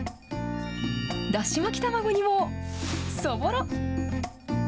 だし巻き卵にもそぼろ。